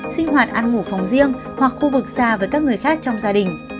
sinh hoạt ăn ngủ phòng riêng hoặc khu vực xa với các người khác trong gia đình